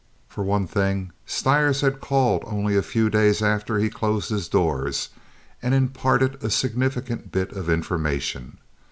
For one thing, Stires had called only a few days after he closed his doors and imparted a significant bit of information.